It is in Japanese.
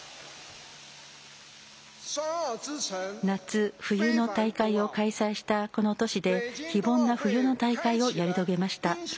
夏、冬の大会を開催したこの都市で非凡な冬の大会をやり遂げました。